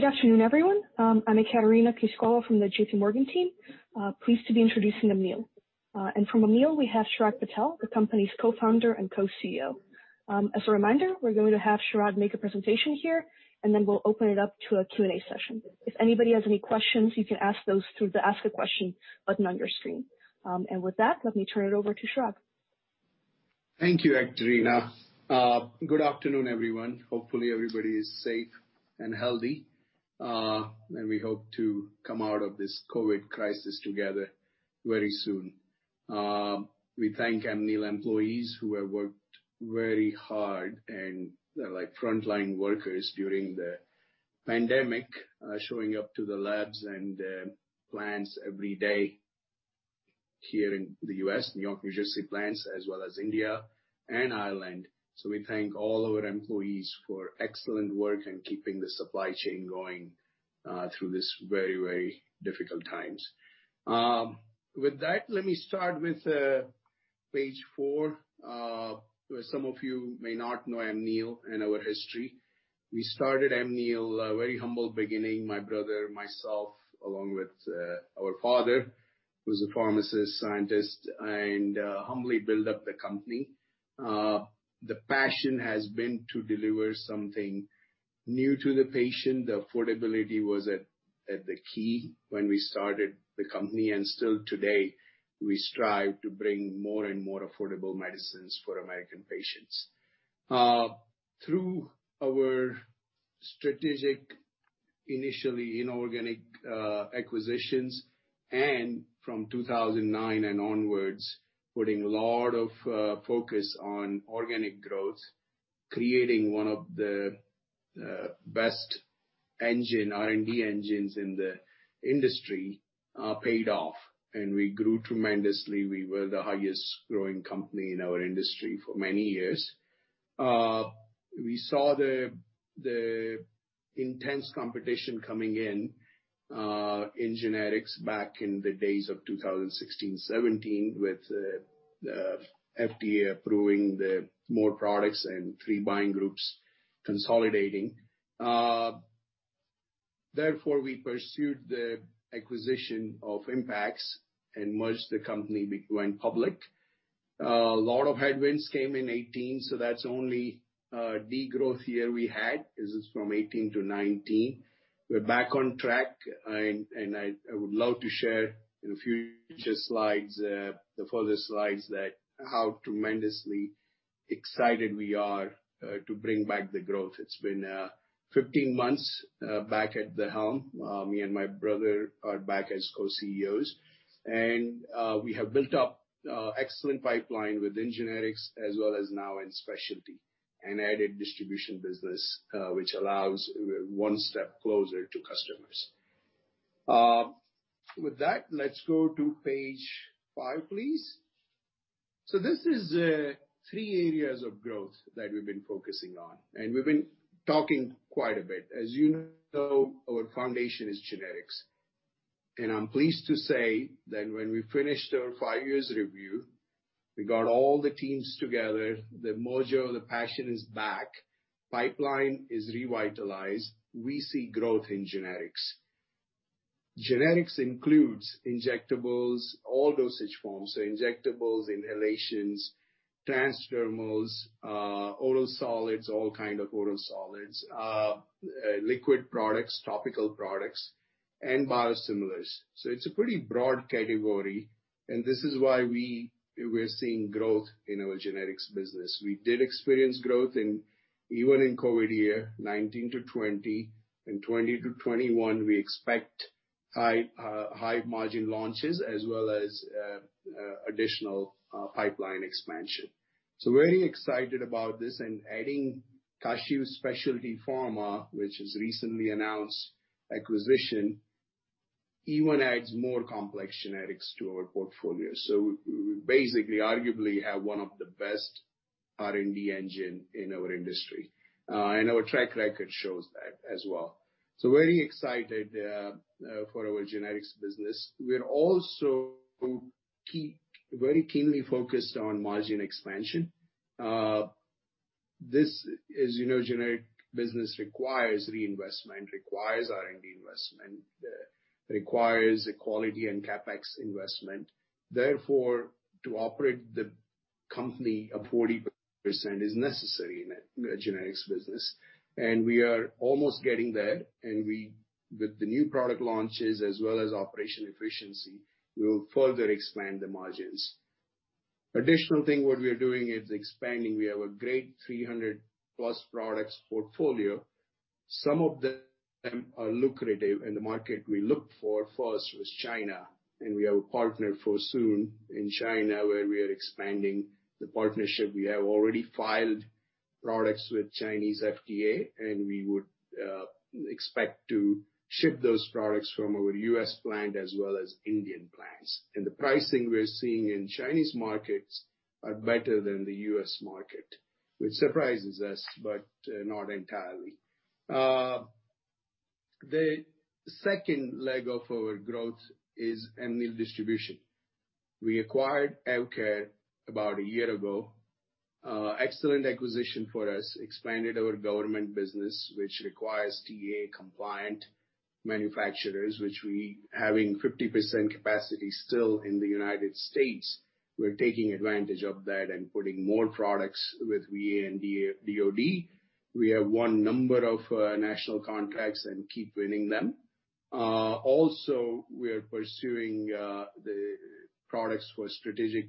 Good afternoon, everyone. I'm Ekaterina Knyazkova from the JPMorgan team. Pleased to be introducing Amneal. From Amneal, we have Chirag Patel, the company's co-founder and Co-CEO. As a reminder, we're going to have Chirag make a presentation here, and then we'll open it up to a Q&A session. If anybody has any questions, you can ask those through the "Ask a question" button on your screen. With that, let me turn it over to Chirag. Thank you, Ekaterina. Good afternoon, everyone. Hopefully, everybody is safe and healthy. We hope to come out of this COVID crisis together very soon. We thank Amneal employees who have worked very hard and like frontline workers during the pandemic, showing up to the labs and plants every day here in the U.S., New York, New Jersey plants, as well as India and Ireland. We thank all our employees for excellent work and keeping the supply chain going through this very difficult times. With that, let me start with page four. Some of you may not know Amneal and our history. We started Amneal a very humble beginning. My brother, myself, along with our father, who's a pharmacist, scientist, and humbly built up the company. The passion has been to deliver something new to the patient. The affordability was at the key when we started the company, still today, we strive to bring more and more affordable medicines for American patients. Through our strategic, initially inorganic acquisitions, from 2009 and onwards, putting a lot of focus on organic growth, creating one of the best R&D engines in the industry paid off, we grew tremendously. We were the highest growing company in our industry for many years. We saw the intense competition coming in generics back in the days of 2016, 2017, with FDA approving more products and three buying groups consolidating. Therefore, we pursued the acquisition of Impax and merged the company, went public. A lot of headwinds came in 2018, that's the only de-growth year we had is from 2018 to 2019. We're back on track. I would love to share in a few slides, the further slides, how tremendously excited we are to bring back the growth. It's been 15 months back at the helm. Me and my brother are back as co-CEOs. We have built up excellent pipeline within generics as well as now in specialty and added distribution business, which allows one step closer to customers. With that, let's go to page five, please. This is three areas of growth that we've been focusing on, and we've been talking quite a bit. As you know, our foundation is generics. I'm pleased to say that when we finished our five years review, we got all the teams together. The mojo, the passion is back. Pipeline is revitalized. We see growth in generics. Generics includes injectables, all dosage forms. Injectables, inhalations, transdermals, oral solids, all kind of oral solids, liquid products, topical products, and biosimilars. It's a pretty broad category, and this is why we're seeing growth in our generics business. We did experience growth even in COVID year 2019 to 2020. In 2020 to 2021, we expect high margin launches as well as additional pipeline expansion. Very excited about this and adding Kashiv Specialty Pharma, which is recently announced acquisition, even adds more complex generics to our portfolio. We basically arguably have one of the best R&D engine in our industry. Our track record shows that as well. Very excited for our generics business. We're also very keenly focused on margin expansion. As you know, generic business requires reinvestment, requires R&D investment, requires a quality and CapEx investment. To operate the company, a 40% is necessary in a generics business, and we are almost getting there. With the new product launches as well as operation efficiency, we will further expand the margins. Additional thing what we are doing is expanding. We have a great 300+ products portfolio. Some of them are lucrative in the market. We look for first was China. We have a partner Fosun in China, where we are expanding the partnership. We have already filed products with Chinese FDA. We would expect to ship those products from our U.S. plant as well as Indian plants. The pricing we're seeing in Chinese markets are better than the U.S. market, which surprises us, but not entirely. The second leg of our growth is Amneal distribution. We acquired AvKARE about one year ago. Excellent acquisition for us. Expanded our government business, which requires TAA compliant manufacturers, which we, having 50% capacity still in the United States, we're taking advantage of that and putting more products with VA and DOD. We have won number of national contracts and keep winning them. We are pursuing the products for strategic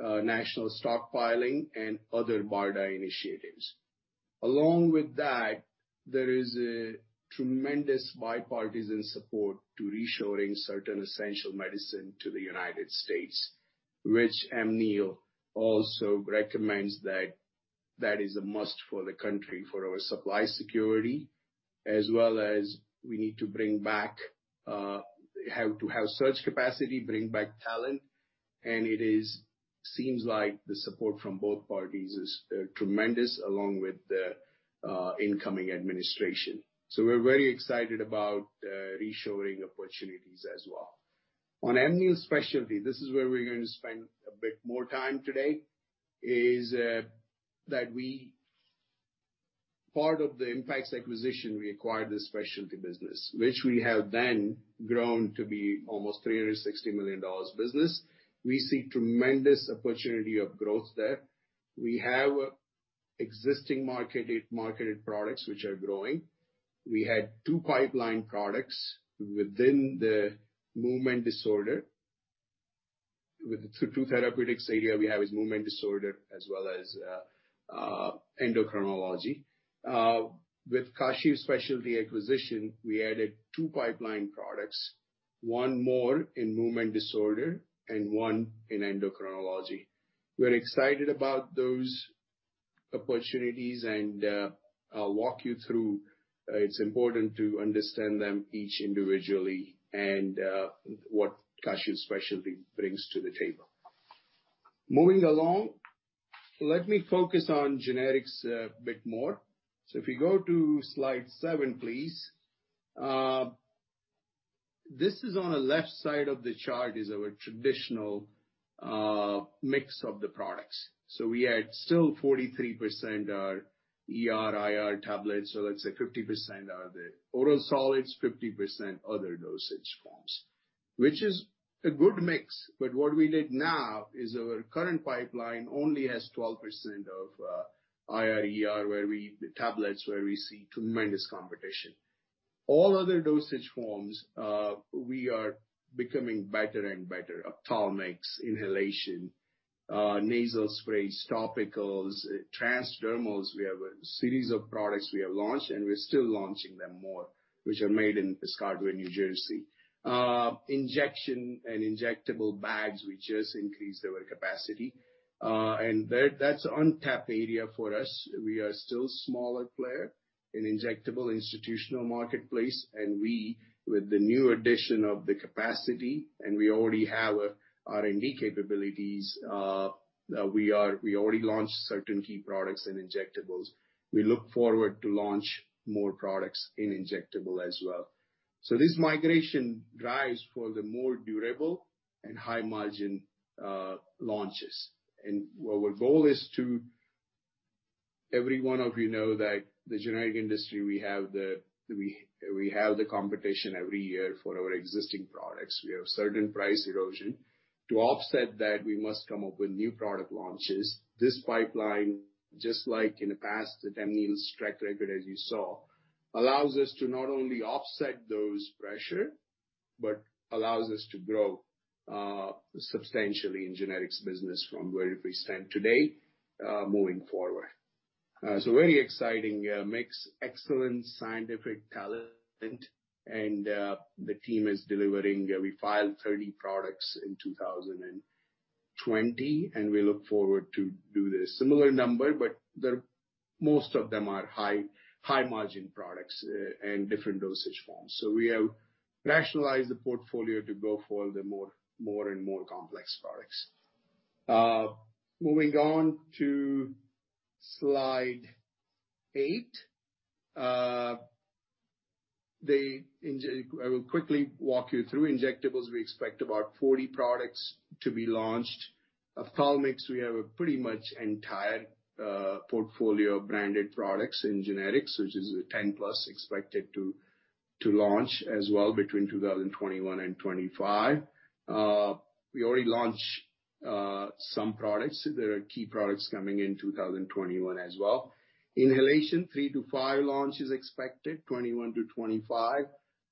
national stockpiling and other BARDA initiatives. There is a tremendous bipartisan support to reshoring certain essential medicine to the United States, which Amneal also recommends that that is a must for the country, for our supply security, as well as we need to bring back surge capacity, bring back talent, and it seems like the support from both parties is tremendous along with the incoming administration. We're very excited about reshoring opportunities as well. On Amneal Specialty, this is where we're going to spend a bit more time today, is that we Part of the Impax acquisition, we acquired the specialty business, which we have then grown to be almost $360 million business. We see tremendous opportunity of growth there. We have existing marketed products which are growing. We had two pipeline products within the movement disorder. Two therapeutics area we have is movement disorder as well as endocrinology. With Kashiv Specialty acquisition, we added two pipeline products, one more in movement disorder and one in endocrinology. We're excited about those opportunities, and I'll walk you through. It's important to understand them each individually and what Kashiv Specialty brings to the table. Moving along, let me focus on generics a bit more. If you go to slide seven, please. This is on the left side of the chart, is our traditional mix of the products. We had still 43% are ER, IR tablets. Let's say 50% are the oral solids, 50% other dosage forms. Which is a good mix, but what we need now is our current pipeline only has 12% of IR, ER tablets, where we see tremendous competition. All other dosage forms, we are becoming better and better. Ophthalmic, inhalation, nasal sprays, topicals, transdermals. We have a series of products we have launched, and we're still launching them more, which are made in Piscataway, New Jersey. Injection and injectable bags, we just increased our capacity. That's untapped area for us. We are still smaller player in injectable institutional marketplace, and we, with the new addition of the capacity, and we already have R&D capabilities, we already launched certain key products and injectables. We look forward to launch more products in injectable as well. This migration drives for the more durable and high margin launches. Our goal is to Every one of you know that the generic industry, we have the competition every year for our existing products. We have certain price erosion. To offset that, we must come up with new product launches. This pipeline, just like in the past, the Amneal's track record, as you saw, allows us to not only offset those pressure, but allows us to grow substantially in generics business from where we stand today, moving forward. Very exciting mix, excellent scientific talent, and the team is delivering. We filed 30 products in 2020, and we look forward to do the similar number, but most of them are high margin products and different dosage forms. We have rationalized the portfolio to go for the more and more complex products. Moving on to slide eight. I will quickly walk you through injectables. We expect about 40 products to be launched. Ophthalmic, we have a pretty much entire portfolio of branded products in generics, which is 10 plus expected to launch as well between 2021 and 2025. We already launched some products. There are key products coming in 2021 as well. Inhalation, three to five launches expected, 2021-2025.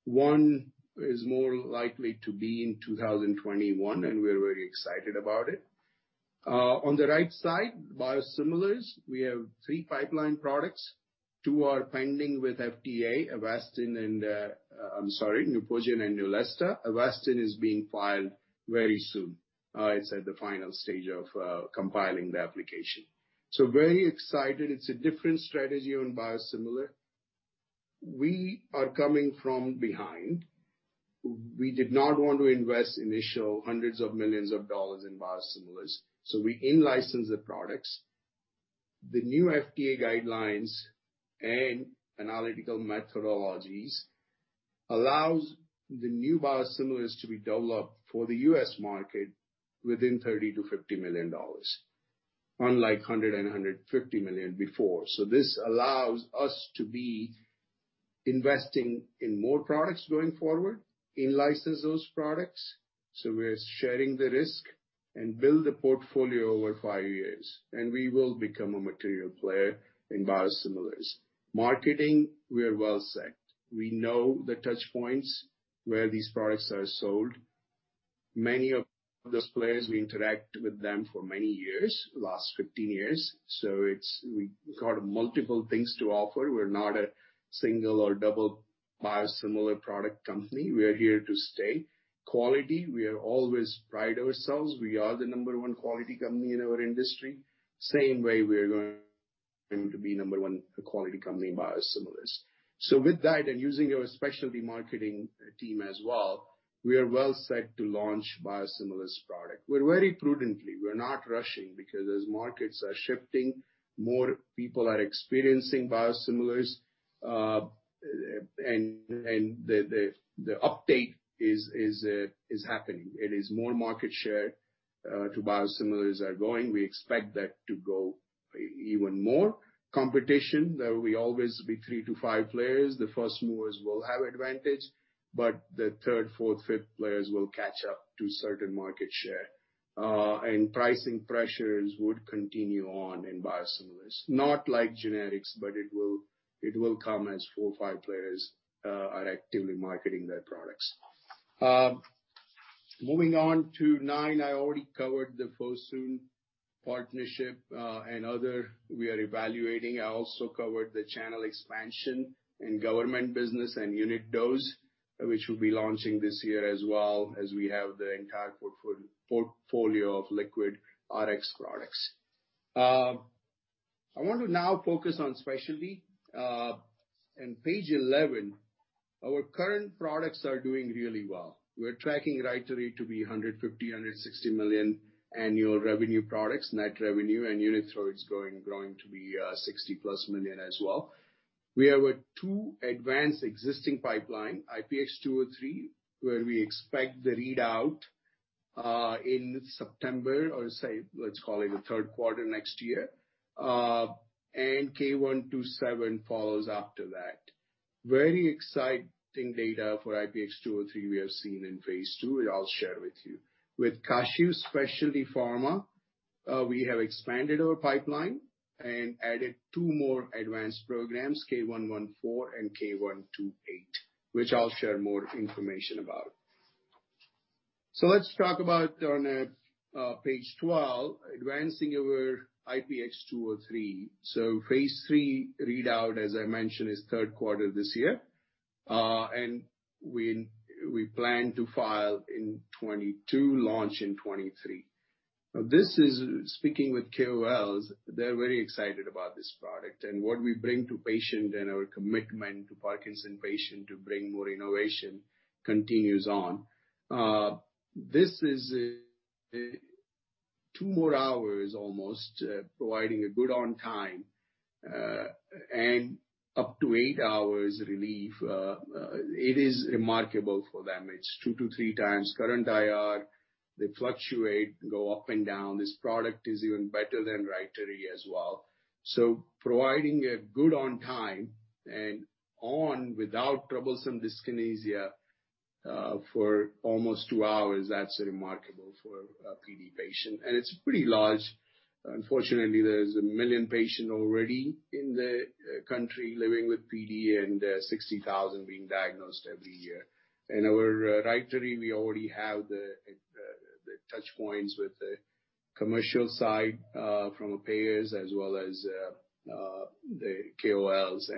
One is more likely to be in 2021, and we're very excited about it. On the right side, biosimilars, we have three pipeline products. Two are pending with FDA, Neupogen and Neulasta. Avastin is being filed very soon. It's at the final stage of compiling the application. Very excited. It's a different strategy on biosimilar. We are coming from behind. We did not want to invest initial hundreds of millions of dollars in biosimilars. We in-license the products. The new FDA guidelines and analytical methodologies allows the new biosimilars to be developed for the U.S. market within $30 million-$50 million, unlike $100 million and $150 million before. This allows us to be investing in more products going forward, in-license those products. We're sharing the risk and build a portfolio over five years. We will become a material player in biosimilars. Marketing, we are well set. We know the touch points where these products are sold. Many of those players, we interact with them for many years, last 15 years. We got multiple things to offer. We're not a single or double biosimilar product company. We are here to stay. Quality, we always pride ourselves. We are the number one quality company in our industry. We are going to be number one quality company in biosimilars. With that, and using our specialty marketing team as well, we are well set to launch biosimilars product. We are very prudently. We are not rushing because as markets are shifting, more people are experiencing biosimilars, and the uptake is happening. It is more market share to biosimilars are going. We expect that to go even more. Competition. There will always be three to five players. The first movers will have advantage, but the third, fourth, fifth players will catch up to certain market share. Pricing pressures would continue on in biosimilars. Not like generics, but it will come as four or five players are actively marketing their products. Moving on to nine. I already covered the Fosun partnership, and other we are evaluating. I also covered the channel expansion in government business and unit dose, which will be launching this year as well as we have the entire portfolio of liquid Rx products. I want to now focus on specialty. In page 11, our current products are doing really well. We're tracking RYTARY to be $150 million, $160 million annual revenue products. Net revenue and UNITHROID is growing to be $60+ million as well. We have a two advanced existing pipeline, IPX203, where we expect the readout in September or say, let's call it the third quarter next year. K127 follows after that. Very exciting data for IPX203 we have seen in phase II, I'll share with you. With Kashiv Specialty Pharma, we have expanded our pipeline and added two more advanced programs, K114 and K128, which I'll share more information about. Let's talk about on page 12, advancing our IPX203. Phase III readout, as I mentioned, is third quarter this year. We plan to file in 2022, launch in 2023. This is speaking with KOLs, they're very excited about this product and what we bring to patient and our commitment to Parkinson's patient to bring more innovation continues on. This is two more hours almost, providing a good on time, and up to eight hours relief. It is remarkable for them. It's two to three times current IR. They fluctuate, go up and down. This product is even better than RYTARY as well. Providing a good on time and on without troublesome dyskinesia, for almost two hours, that's remarkable for a PD patient. It's pretty large. Unfortunately, there's a 1 million patient already in the country living with PD and 60,000 being diagnosed every year. In our RYTARY, we already have the touch points with the commercial side, from payers as well as the KOLs.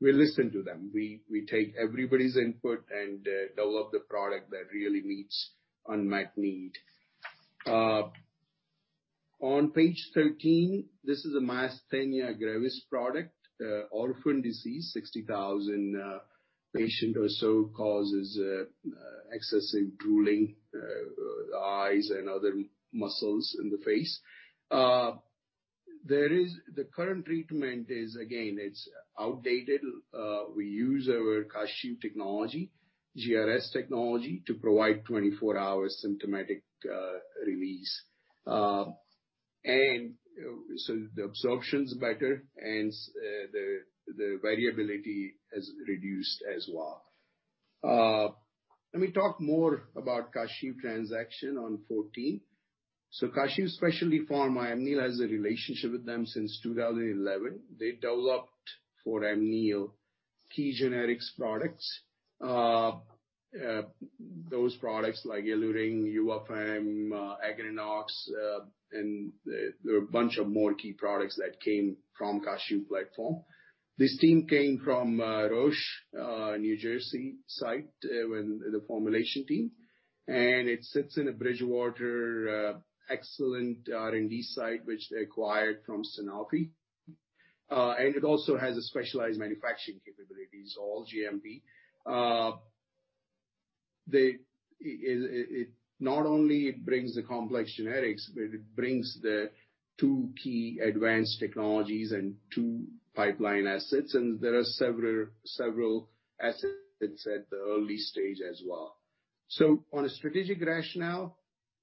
We listen to them. We take everybody's input and develop the product that really meets unmet need. On page 13, this is a myasthenia gravis product, orphan disease, 60,000 patient or so. Causes excessive drooling, eyes and other muscles in the face. The current treatment is, again, it's outdated. We use our Kashiv technology, GRS technology, to provide 24 hours symptomatic release. The absorption's better and the variability has reduced as well. Let me talk more about Kashiv transaction on 14. Kashiv Specialty Pharma, Amneal has a relationship with them since 2011. They developed for Amneal key generics products. Those products like EluRyng, FML, Aggrenox, and there are a bunch of more key products that came from Kashiv platform. This team came from Roche, New Jersey site, the formulation team. It sits in a Bridgewater, excellent R&D site, which they acquired from Sanofi. It also has specialized manufacturing capabilities, all GMP. Not only it brings the complex generics, but it brings the two key advanced technologies and two pipeline assets. There are several assets at the early stage as well. On a strategic rationale,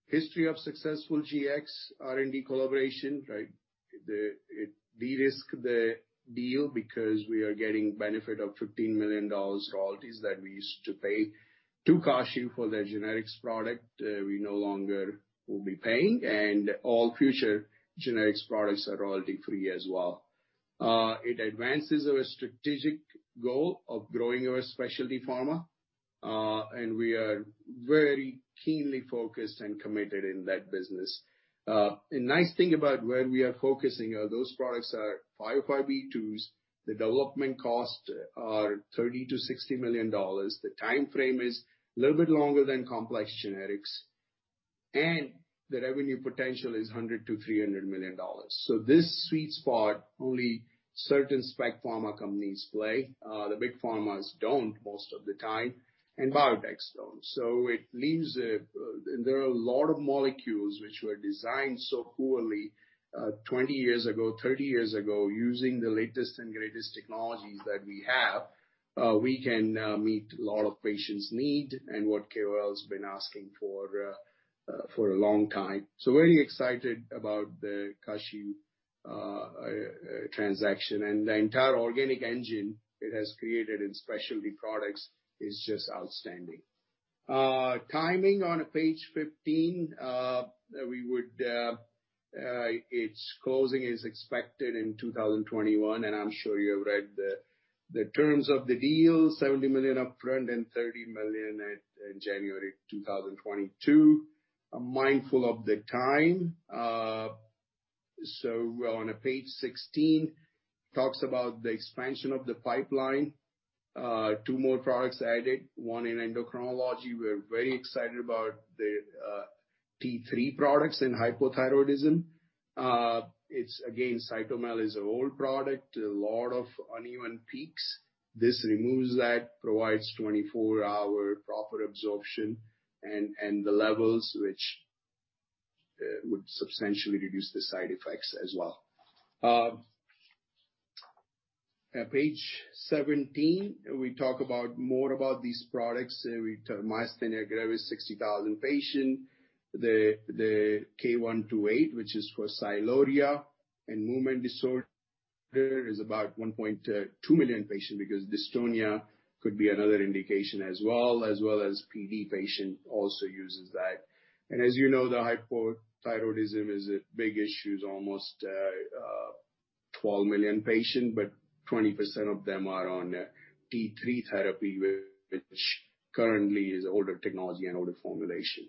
history of successful Gx R&D collaboration. It de-risks the deal because we are getting benefit of $15 million royalties that we used to pay to Kashiv for their generics product. We no longer will be paying, and all future generics products are royalty free as well. It advances our strategic goal of growing our specialty pharma. We are very keenly focused and committed in that business. A nice thing about where we are focusing are those products are 505(b)(2)s. The development cost are $30 million-$60 million. The timeframe is a little bit longer than complex generics. The revenue potential is $100 million-$300 million. This sweet spot, only certain spec pharma companies play. The big pharmas don't most of the time. Biotech don't. There are a lot of molecules which were designed so poorly 20 years ago, 30 years ago. Using the latest and greatest technologies that we have, we can meet a lot of patients' need and what KOLs been asking for a long time. Very excited about the Kashiv transaction and the entire organic engine it has created in specialty products is just outstanding. Timing on page 15. Its closing is expected in 2021, and I'm sure you have read the terms of the deal, $70 million upfront and $30 million in January 2022. I'm mindful of the time. On page 16, talks about the expansion of the pipeline. Two more products added, one in endocrinology. We're very excited about the T3 products in hypothyroidism. It's again, CYTOMEL is a old product, a lot of uneven peaks. This removes that, provides 24-hour proper absorption, and the levels which would substantially reduce the side effects as well. Page 17, we talk more about these products. Myasthenia gravis, 60,000 patient. The K128, which is for sialorrhea and movement disorder, is about 1.2 million patient because dystonia could be another indication as well, as well as PD patient also uses that. As you know, the hypothyroidism is a big issue, is almost 12 million patient, but 20% of them are on T3 therapy, which currently is older technology and older formulation.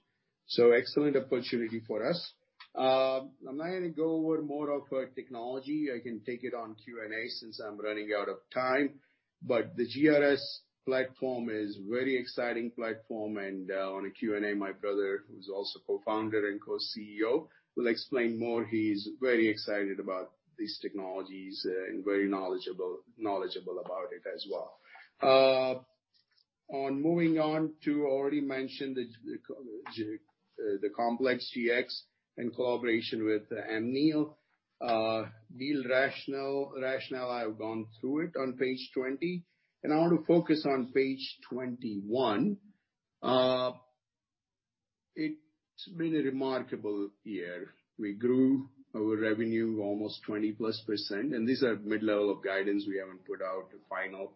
Excellent opportunity for us. I'm not going to go over more of our technology. I can take it on Q&A since I'm running out of time, the GRS platform is very exciting platform, and on Q&A, my brother, who's also Co-Founder and Co-CEO, will explain more. He's very excited about these technologies and very knowledgeable about it as well. On moving on to already mentioned, the complex Gx in collaboration with Amneal. Deal rationale, I have gone through it on page 20, I want to focus on page 21. It's been a remarkable year. We grew our revenue almost 20%+, these are mid-level of guidance. We haven't put out final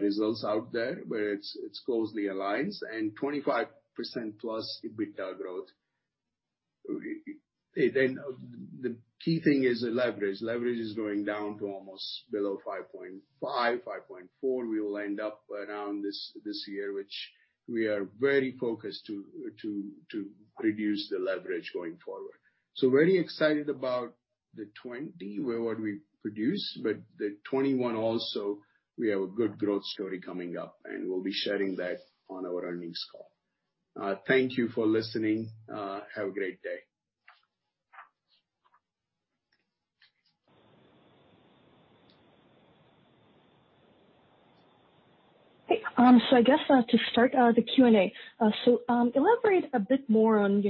results out there, but it closely aligns, and 25%+ EBITDA growth. The key thing is the leverage. Leverage is going down to almost below 5.5, 5.4. We will end up around this year, which we are very focused to reduce the leverage going forward. Very excited about the 2020, where what we produced, the 2021 also, we have a good growth story coming up, and we'll be sharing that on our earnings call. Thank you for listening. Have a great day. Hey. I guess to start the Q&A. Elaborate a bit more on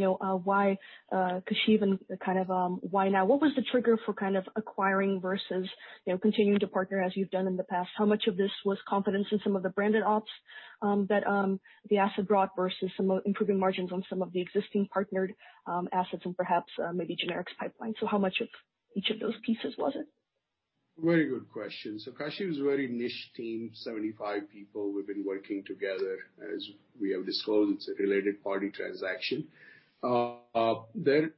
why Kashiv and kind of why now? What was the trigger for acquiring versus continuing to partner as you've done in the past? How much of this was confidence in some of the branded ops that the asset brought versus improving margins on some of the existing partnered assets and perhaps maybe generics pipeline? How much of each of those pieces was it? Very good question. Kashiv is a very niche team, 75 people. We've been working together. As we have disclosed, it's a related party transaction. Their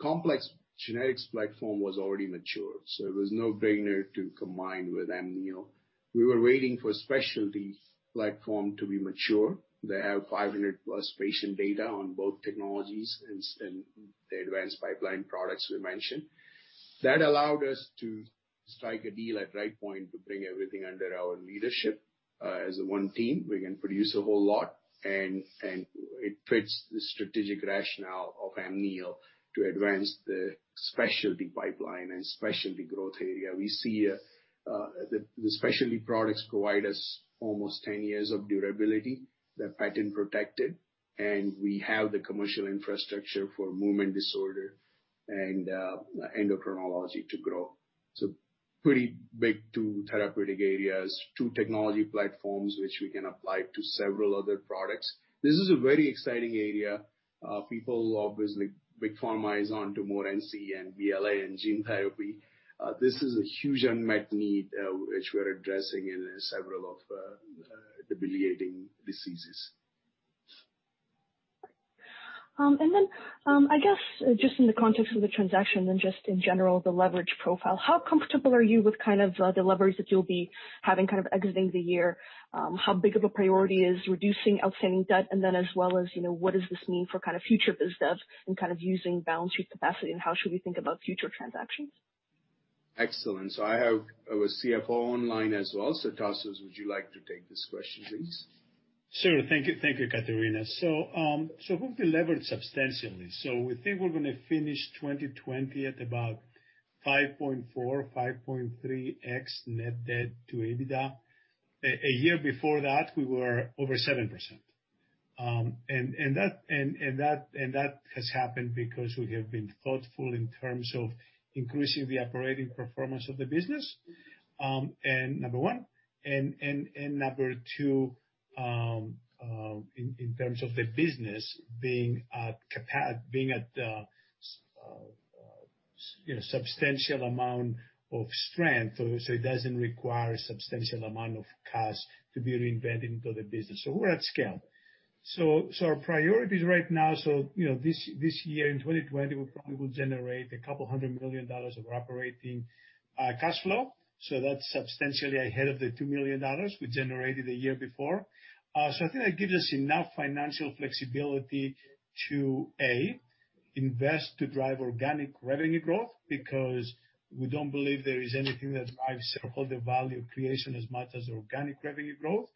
complex generics platform was already mature, so it was no-brainer to combine with Amneal. We were waiting for specialty platform to be mature. They have 500-plus patient data on both technologies and the advanced pipeline products we mentioned. That allowed us to strike a deal at the right point to bring everything under our leadership. As one team, we can produce a whole lot, and it fits the strategic rationale of Amneal to advance the specialty pipeline and specialty growth area. We see the specialty products provide us almost 10 years of durability. They're patent-protected, and we have the commercial infrastructure for movement disorder and endocrinology to grow. Pretty big two therapeutic areas, two technology platforms, which we can apply to several other products. This is a very exciting area. People, obviously, big pharma is on to more NCE and BLA in gene therapy. This is a huge unmet need which we are addressing in several of the debilitating diseases. I guess, just in the context of the transaction and just in general, the leverage profile, how comfortable are you with the leverage that you'll be having exiting the year? How big of a priority is reducing outstanding debt, and then as well as, what does this mean for future biz dev and using balance sheet capacity, and how should we think about future transactions? Excellent. I have our CFO online as well. Tasos, would you like to take this question, please? Thank you, Ekaterina. We've delevered substantially. We think we're going to finish 2020 at about 5.4, 5.3x net debt to EBITDA. A year before that, we were over 7%. That has happened because we have been thoughtful in terms of increasing the operating performance of the business, number one. Number two, in terms of the business being at a substantial amount of strength, so it doesn't require a substantial amount of cash to be reinvented into the business. We're at scale. Our priorities right now, this year in 2020, we probably will generate $200 million of operating cash flow. That's substantially ahead of the $2 million we generated a year before. I think that gives us enough financial flexibility to, A, invest to drive organic revenue growth, because we don't believe there is anything that drives shareholder value creation as much as organic revenue growth.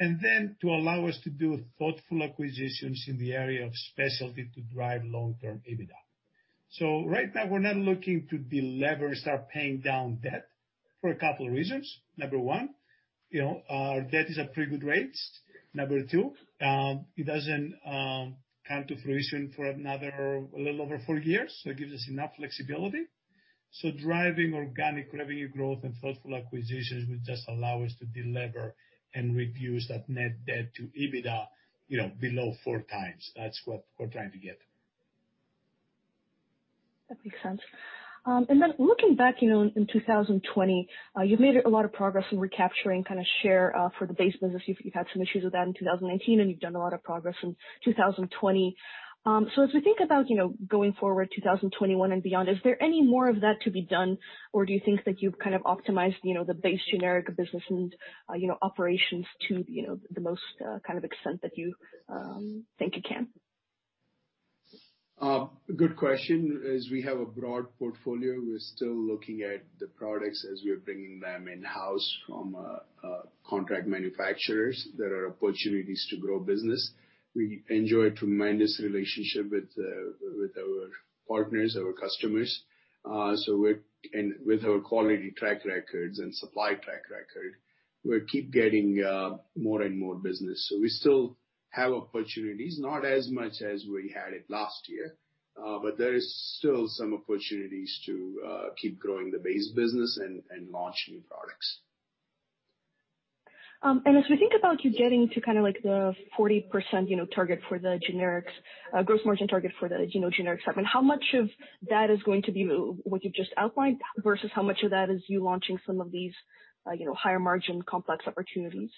Then to allow us to do thoughtful acquisitions in the area of specialty to drive long-term EBITDA. Right now, we're not looking to delever and start paying down debt for a couple of reasons. Number one, our debt is at pretty good rates. Number two, it doesn't come to fruition for another little over four years, so it gives us enough flexibility. Driving organic revenue growth and thoughtful acquisitions will just allow us to delever and reduce that net debt to EBITDA below four times. That's what we're trying to get. That makes sense. Looking back in 2020, you've made a lot of progress in recapturing share for the base business. You've had some issues with that in 2019, and you've done a lot of progress in 2020. As we think about going forward, 2021 and beyond, is there any more of that to be done, or do you think that you've optimized the base generic business and operations to the most extent that you think you can? Good question. As we have a broad portfolio, we're still looking at the products as we are bringing them in-house from contract manufacturers. There are opportunities to grow business. We enjoy a tremendous relationship with our partners, our customers. With our quality track records and supply track record, we keep getting more and more business. We still have opportunities, not as much as we had it last year. There is still some opportunities to keep growing the base business and launch new products. As we think about you getting to the 40% gross margin target for the generic segment, how much of that is going to be what you've just outlined, versus how much of that is you launching some of these higher margin complex opportunities?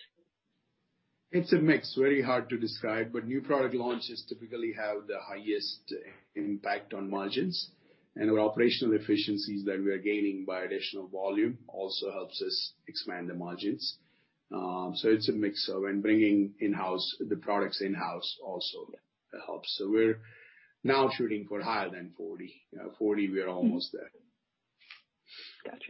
It's a mix. Very hard to describe, new product launches typically have the highest impact on margins. Our operational efficiencies that we are gaining by additional volume also helps us expand the margins. It's a mix of when bringing the products in-house also helps. We're now shooting for higher than 40. 40, we are almost there. Got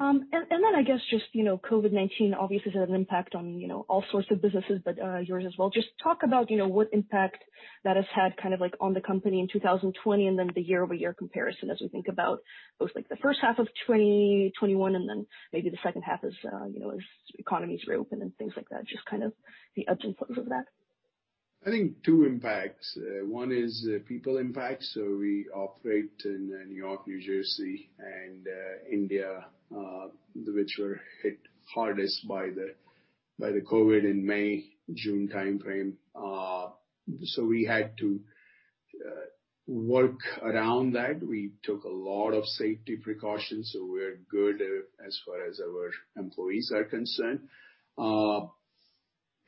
you. I guess just COVID-19 obviously has had an impact on all sorts of businesses, but yours as well. Just talk about what impact that has had on the company in 2020 and then the year-over-year comparison as we think about both the first half of 2021 and then maybe the second half as economies reopen and things like that, just the ups and downs of that. I think two impacts. One is people impact. We operate in New York, New Jersey, and India, which were hit hardest by the COVID in May, June timeframe. We had to work around that. We took a lot of safety precautions, so we're good as far as our employees are concerned.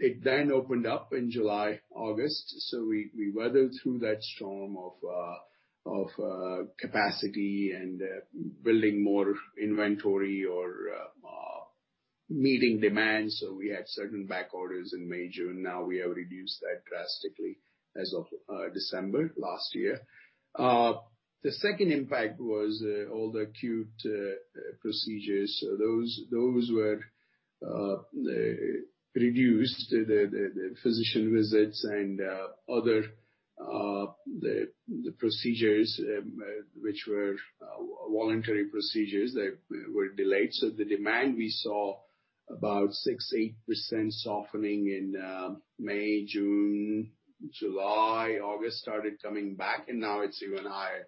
It opened up in July, August. We weathered through that storm of capacity and building more inventory or meeting demand. We had certain back orders in May, June. Now we have reduced that drastically as of December last year. The second impact was all the acute procedures. Those were reduced, the physician visits and other procedures which were voluntary procedures, they were delayed. The demand, we saw about 6%-8% softening in May, June. July, August started coming back, and now it's even higher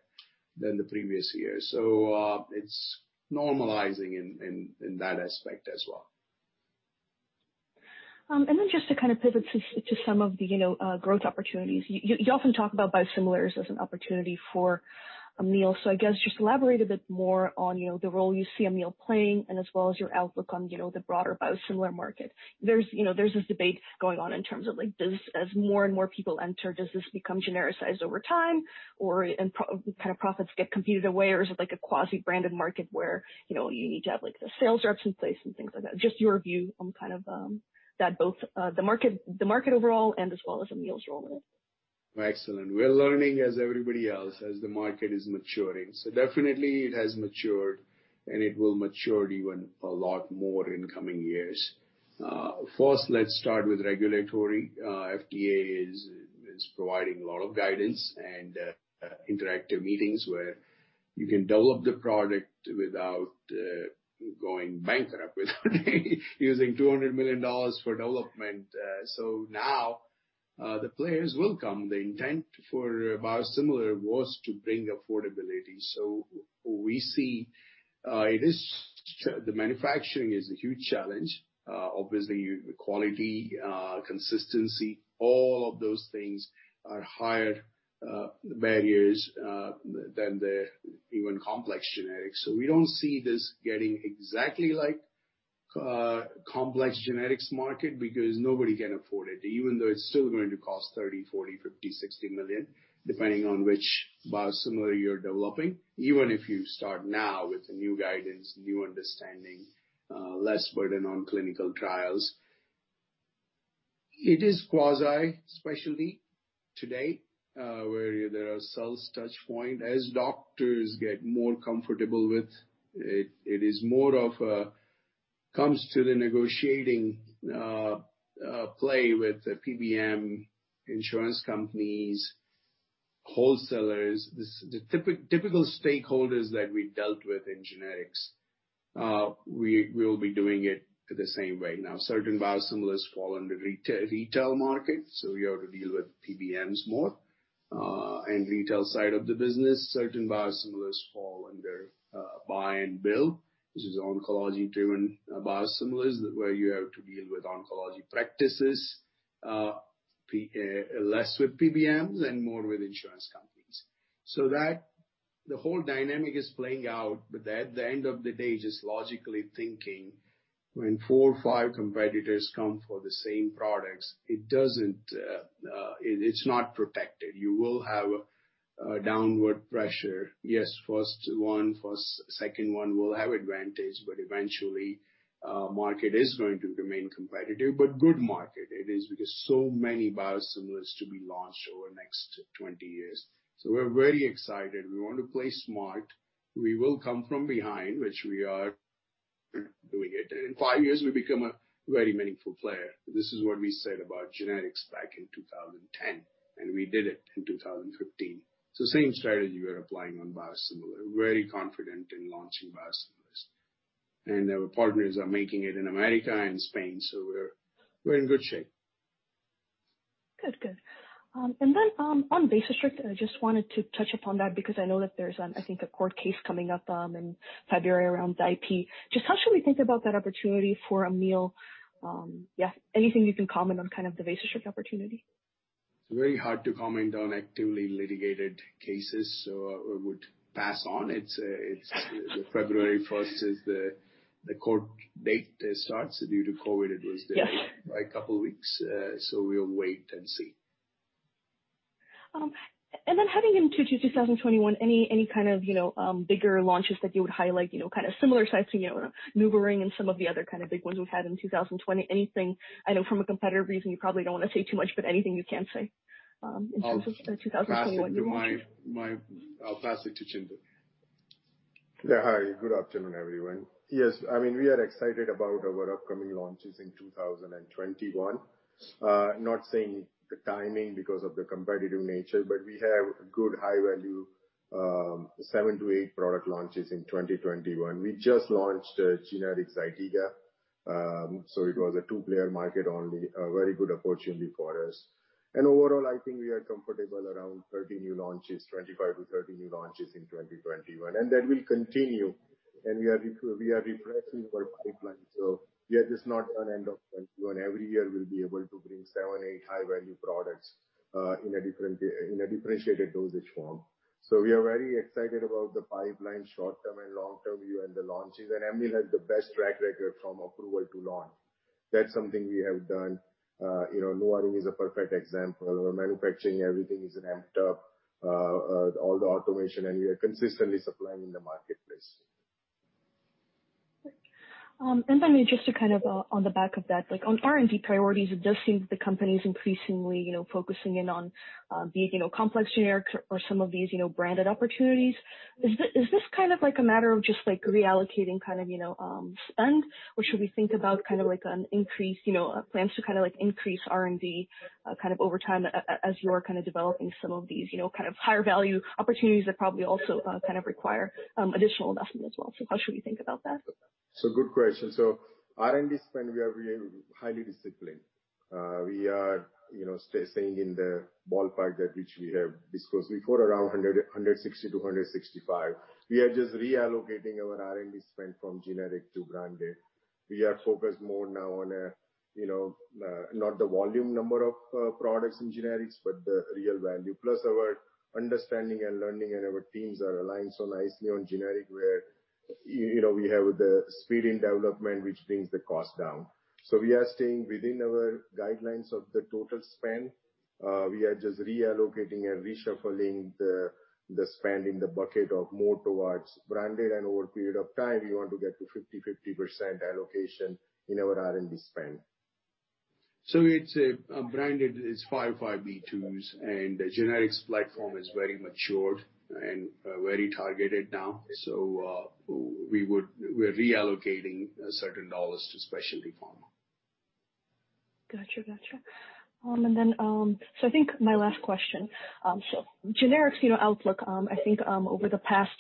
than the previous year. It's normalizing in that aspect as well. Just to kind of pivot to some of the growth opportunities. You often talk about biosimilars as an opportunity for Amneal. I guess just elaborate a bit more on the role you see Amneal playing and as well as your outlook on the broader biosimilar market. There's this debate going on in terms of, as more and more people enter, does this become genericized over time or kind of profits get competed away? Or is it like a quasi-branded market where you need to have the sales reps in place and things like that? Just your view on kind of that both the market overall and as well as Amneal's role in it. Excellent. We're learning as everybody else as the market is maturing. Definitely it has matured, and it will mature even a lot more in coming years. First, let's start with regulatory. FDA is providing a lot of guidance and interactive meetings where you can develop the product without going bankrupt using $200 million for development. Now, the players will come. The intent for biosimilar was to bring affordability. We see the manufacturing is a huge challenge. Obviously, quality, consistency, all of those things are higher barriers than the even complex generics. We don't see this getting exactly like complex generics market because nobody can afford it, even though it's still going to cost $30 million, $40 million, $50 million, $60 million, depending on which biosimilar you're developing. Even if you start now with the new guidance, new understanding, less burden on clinical trials. It is quasi specialty today, where there are sales touchpoint. As doctors get more comfortable with it more comes to the negotiating play with the PBM insurance companies, wholesalers, the typical stakeholders that we dealt with in generics. We will be doing it the same way now. Certain biosimilars fall under retail market, we have to deal with PBMs more, and retail side of the business. Certain biosimilars fall under buy and bill, which is oncology-driven biosimilars, where you have to deal with oncology practices. Less with PBMs and more with insurance companies. The whole dynamic is playing out, at the end of the day, just logically thinking, when four or five competitors come for the same products, it's not protected. You will have a downward pressure. Yes, first one, second one will have advantage, eventually, market is going to remain competitive. Good market it is because so many biosimilars to be launched over next 20 years. We're very excited. We want to play smart. We will come from behind, which we are doing it. In five years, we become a very meaningful player. This is what we said about generics back in 2010, and we did it in 2015. Same strategy we are applying on biosimilar. Very confident in launching biosimilars. Our partners are making it in America and Spain, so we're in good shape. Good. Then, on Vasostrict, I just wanted to touch upon that because I know that there's, I think, a court case coming up in February around IP. Just how should we think about that opportunity for Amneal? Yeah, anything you can comment on kind of the Vasostrict opportunity? It's very hard to comment on actively litigated cases. I would pass on. February 1st is the court date that starts. Due to COVID, it was delayed by a couple of weeks. We'll wait and see. Heading into 2021, any kind of bigger launches that you would highlight, kind of similar size to EluRyng and some of the other kind of big ones we've had in 2020? Anything, I know from a competitive reason, you probably don't want to say too much, but anything you can say in terms of 2021? I'll pass it to Chintu. Yeah, hi. Good afternoon, everyone. Yes. We are excited about our upcoming launches in 2021. Not saying the timing because of the competitive nature, but we have good high-value, seven to eight product launches in 2021. We just launched generic Zytiga. It was a two-player market only. A very good opportunity for us. Overall, I think we are comfortable around 30 new launches, 25 to 30 new launches in 2021. That will continue. We are refreshing our pipeline. This is not an end of 2021. Every year, we'll be able to bring seven, eight high-value products in a differentiated dosage form. We are very excited about the pipeline, short-term and long-term view, and the launches. Amneal has the best track record from approval to launch. That's something we have done. NuvaRing is a perfect example. Our manufacturing, everything is amped up, all the automation, and we are consistently supplying in the marketplace. Great. Just on the back of that, on R&D priorities, it does seem that the company's increasingly focusing in on these complex generics or some of these branded opportunities. Is this a matter of just reallocating spend, or should we think about plans to increase R&D over time as you're developing some of these higher value opportunities that probably also require additional investment as well? How should we think about that? Good question. R&D spend, we are highly disciplined. We are staying in the ballpark that which we have discussed before, around $160-$165. We are just reallocating our R&D spend from generic to branded. We are focused more now on not the volume number of products in generics, but the real value. Plus our understanding and learning, and our teams are aligned so nicely on generic, where we have the speed in development, which brings the cost down. We are staying within our guidelines of the total spend. We are just reallocating and reshuffling the spend in the bucket of more towards branded and over a period of time, we want to get to 50/50% allocation in our R&D spend. It's branded is 505(b)(2)s, and the generics platform is very matured and very targeted now. We're reallocating certain dollars to specialty pharma. Got you. I think my last question. Generics outlook. I think over the past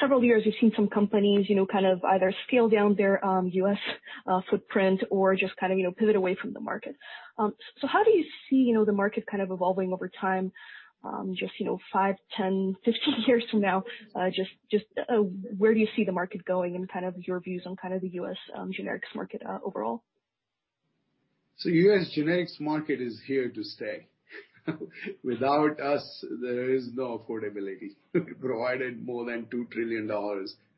several years, we've seen some companies either scale down their U.S. footprint or just pivot away from the market. How do you see the market evolving over time? Five, 10, 15 years from now, where do you see the market going and your views on the U.S. generics market overall? U.S. generics market is here to stay. Without us, there is no affordability. We've provided more than $2 trillion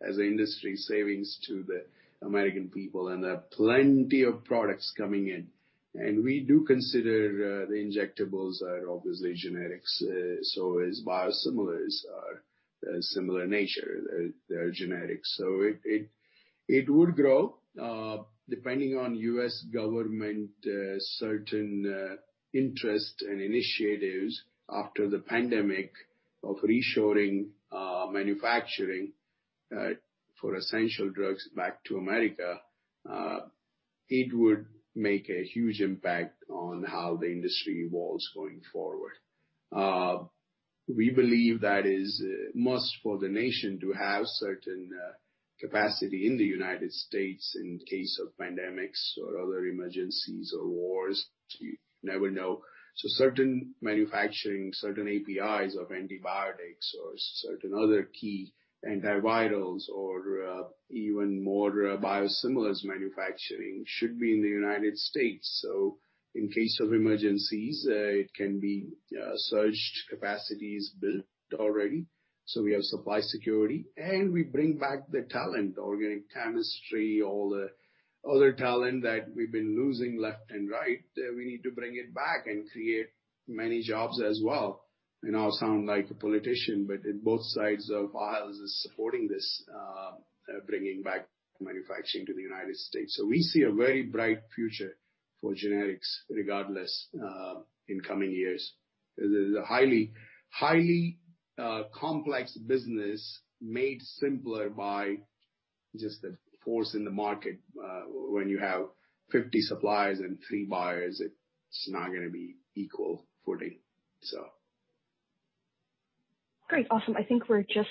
as industry savings to the American people, and there are plenty of products coming in. We do consider the injectables are obviously generics, so is biosimilars are similar nature. They're generics. It would grow, depending on U.S. government certain interest and initiatives after the pandemic of reshoring manufacturing for essential drugs back to America. It would make a huge impact on how the industry evolves going forward. We believe that is a must for the nation to have certain capacity in the United States in case of pandemics or other emergencies or wars. You never know. Certain manufacturing, certain APIs of antibiotics or certain other key antivirals or even more biosimilars manufacturing should be in the United States. In case of emergencies, it can be surged, capacity is built already. We have supply security, and we bring back the talent, organic chemistry, all the other talent that we've been losing left and right. We need to bring it back and create many jobs as well. I now sound like a politician, both sides of aisle is supporting this, bringing back manufacturing to the United States. We see a very bright future for generics regardless in coming years. It is a highly complex business made simpler by just the force in the market. When you have 50 suppliers and three buyers, it's not going to be equal footing. Great. Awesome. I think we're just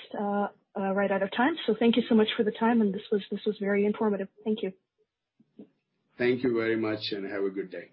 right out of time. Thank you so much for the time, and this was very informative. Thank you. Thank you very much, and have a good day.